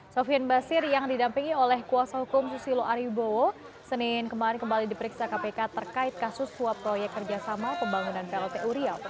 sofian basir yang didampingi oleh kuasa hukum susilo aribowo senin kemarin kembali diperiksa kpk terkait kasus suap proyek kerjasama pembangunan plt uriau